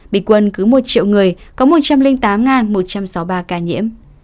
bình quân cứ một triệu người có một trăm linh tám một trăm sáu mươi ba ca nhiễm